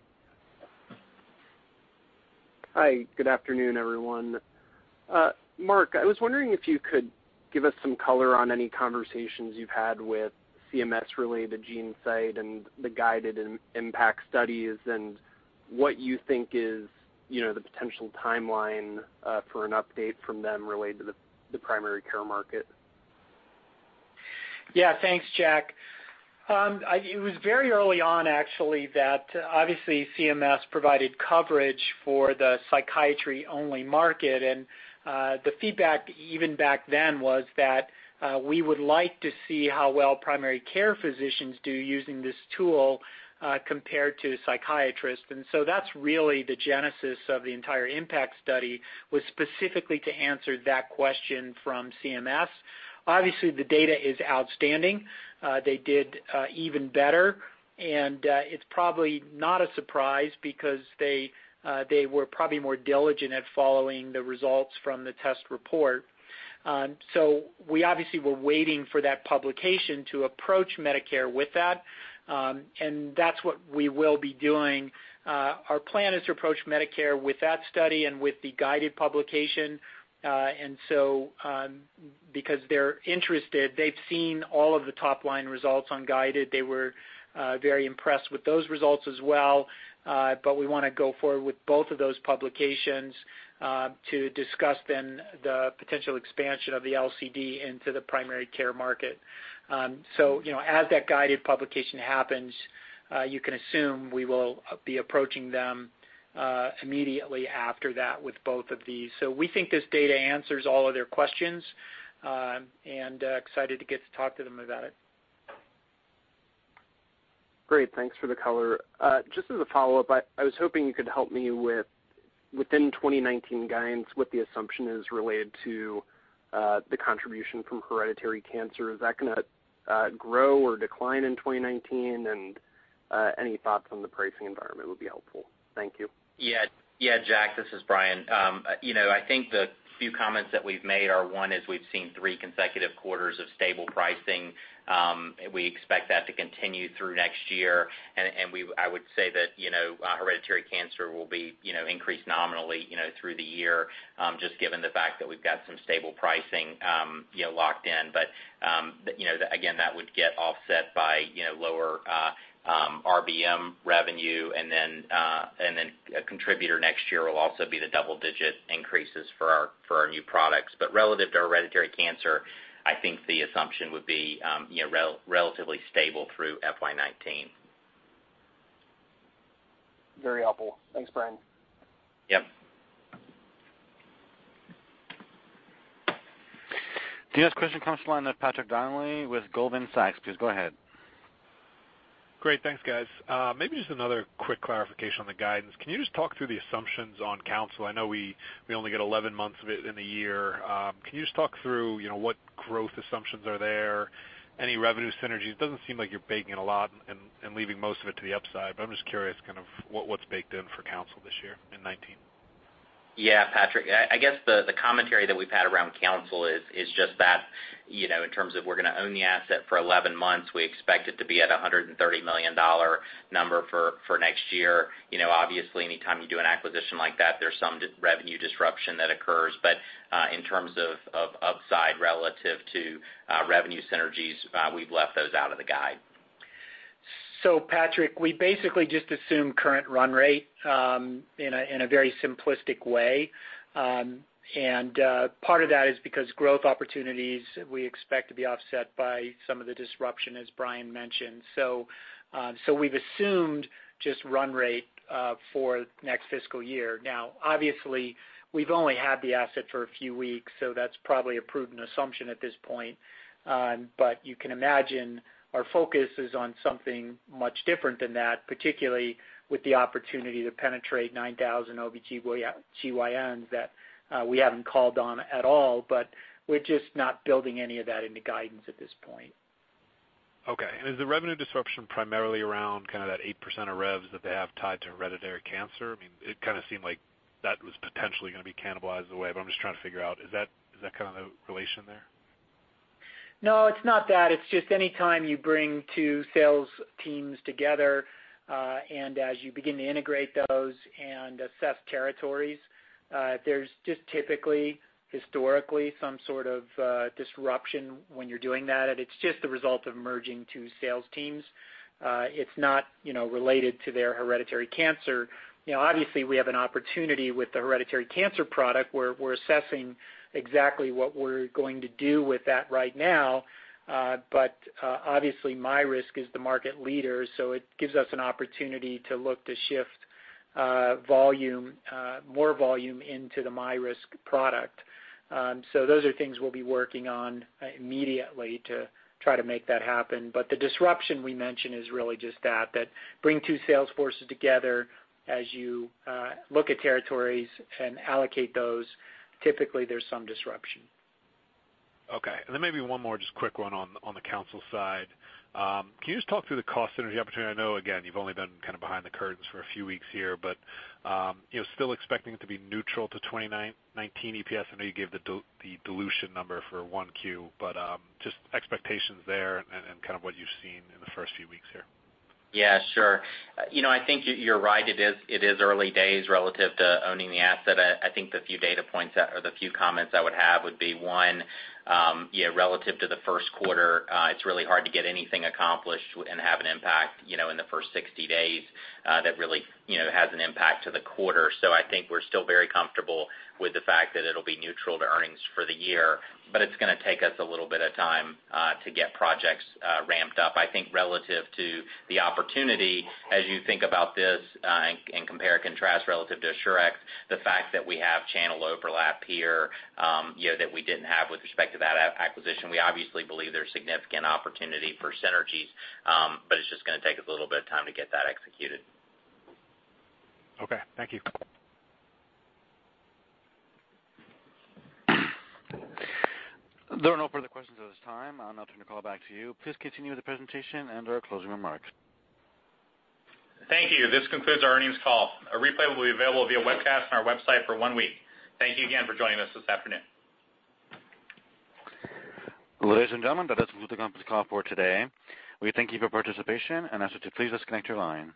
Hi. Good afternoon, everyone. Mark, I was wondering if you could give us some color on any conversations you've had with CMS related to GeneSight and the GUIDED IMPACT studies, and what you think is the potential timeline for an update from them related to the primary care market. Yeah. Thanks, Jack. It was very early on, actually, that obviously CMS provided coverage for the psychiatry-only market, and the feedback even back then was that we would like to see how well primary care physicians do using this tool compared to psychiatrists. That's really the genesis of the entire IMPACT study, was specifically to answer that question from CMS. Obviously, the data is outstanding. They did even better, and it's probably not a surprise because they were probably more diligent at following the results from the test report. We obviously were waiting for that publication to approach Medicare with that, and that's what we will be doing. Our plan is to approach Medicare with that study and with the GUIDED publication. Because they're interested, they've seen all of the top-line results on GUIDED. They were very impressed with those results as well. We want to go forward with both of those publications to discuss the potential expansion of the LCD into the primary care market. As that GUIDED publication happens, you can assume we will be approaching them immediately after that with both of these. We think this data answers all of their questions, and excited to get to talk to them about it. Great. Thanks for the color. Just as a follow-up, I was hoping you could help me with, within 2019 guidance, what the assumption is related to the contribution from hereditary cancer. Is that going to grow or decline in 2019? Any thoughts on the pricing environment would be helpful. Thank you. Jack, this is Bryan. I think the few comments that we've made are, one is, we've seen three consecutive quarters of stable pricing. We expect that to continue through next year. I would say that hereditary cancer will be increased nominally through the year, just given the fact that we've got some stable pricing locked in. Again, that would get offset by lower RBM revenue. A contributor next year will also be the double-digit increases for our new products. Relative to hereditary cancer, I think the assumption would be relatively stable through FY 2019. Very helpful. Thanks, Bryan. Yep. The next question comes to the line of Patrick Donnelly with Goldman Sachs. Please go ahead. Great. Thanks, guys. Maybe just another quick clarification on the guidance. Can you just talk through the assumptions on Counsyl? I know we only get 11 months of it in a year. Can you just talk through what growth assumptions are there, any revenue synergies? It doesn't seem like you're baking a lot and leaving most of it to the upside, but I'm just curious what's baked in for Counsyl this year in 2019. Yeah, Patrick. I guess the commentary that we've had around Counsyl is just that, in terms of we're going to own the asset for 11 months. We expect it to be at $130 million number for next year. Obviously, anytime you do an acquisition like that, there's some revenue disruption that occurs. In terms of upside relative to revenue synergies, we've left those out of the guide. Patrick, we basically just assume current run rate in a very simplistic way. Part of that is because growth opportunities, we expect to be offset by some of the disruption, as Bryan mentioned. We've assumed just run rate for next fiscal year. Obviously, we've only had the asset for a few weeks, that's probably a prudent assumption at this point. You can imagine our focus is on something much different than that, particularly with the opportunity to penetrate 9,000 OB-GYNs that we haven't called on at all. We're just not building any of that into guidance at this point. Okay. Is the revenue disruption primarily around that 8% of revs that they have tied to hereditary cancer? It seemed like that was potentially going to be cannibalized away, but I'm just trying to figure out, is that the relation there? No, it's not that. It's just anytime you bring two sales teams together, as you begin to integrate those and assess territories, there's just typically, historically, some sort of disruption when you're doing that, it's just the result of merging two sales teams. It's not related to their hereditary cancer. Obviously, we have an opportunity with the hereditary cancer product. We're assessing exactly what we're going to do with that right now. Obviously, myRisk is the market leader, it gives us an opportunity to look to shift more volume into the myRisk product. Those are things we'll be working on immediately to try to make that happen. The disruption we mentioned is really just that bring two sales forces together as you look at territories and allocate those, typically, there's some disruption. Okay. Maybe one more just quick one on the Counsyl side. Can you just talk through the cost synergy opportunity? I know, again, you've only been behind the curtains for a few weeks here, still expecting it to be neutral to 2019 EPS. I know you gave the dilution number for one Q, just expectations there and what you've seen in the first few weeks here. Yeah, sure. I think you're right. It is early days relative to owning the asset. I think the few data points or the few comments I would have would be one, relative to the first quarter, it's really hard to get anything accomplished and have an impact in the first 60 days that really has an impact to the quarter. I think we're still very comfortable with the fact that it'll be neutral to earnings for the year, it's going to take us a little bit of time to get projects ramped up. I think relative to the opportunity as you think about this and compare and contrast relative to Assurex, the fact that we have channel overlap here that we didn't have with respect to that acquisition, we obviously believe there's significant opportunity for synergies, it's just going to take us a little bit of time to get that executed. Okay. Thank you. There are no further questions at this time. I'll now turn the call back to you. Please continue with the presentation and/or closing remarks. Thank you. This concludes our earnings call. A replay will be available via webcast on our website for one week. Thank you again for joining us this afternoon. Ladies and gentlemen, that is all for the company call for today. We thank you for participation and ask that you please disconnect your line.